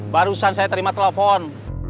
barusan saya terima telepon